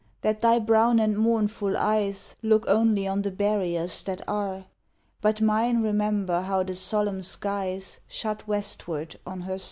that thy brown and mournful eyes Look only on the barriers that are ! But mine remember how the solemn skies Shut westward on her star.